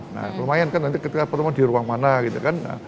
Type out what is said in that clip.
nah lumayan kan nanti ketika pertemuan di ruang mana gitu kan